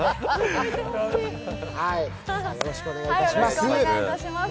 よろしくお願いします。